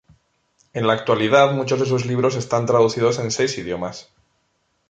En la actualidad muchos de sus libros están traducidos en seis idiomas.